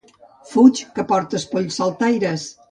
Fuig, que portes polls saltaires!